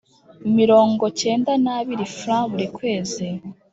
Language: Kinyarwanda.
mirongo cyenda n abiri Frw buri kwezi